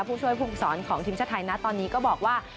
ผู้ช่วยภูมิสอนของทีมชาติไทยนะตอนนี้ก็บอกว่า